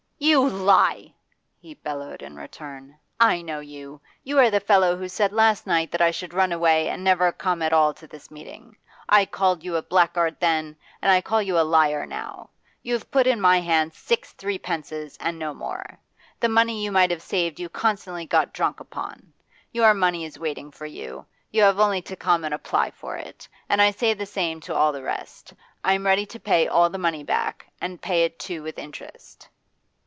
'You lie!' he bellowed in return; 'I know you. You are the fellow who said last night that I should run away, and never come at all to this meeting. I called you a blackguard then, and I call you a liar now. You have put in my hand six threepences, and no more. The money you might have saved you constantly got drunk upon. Your money is waiting for you: you have only to come and apply for it. And I say the same to all the rest. I am ready to pay all the money back, and pay it too with interest.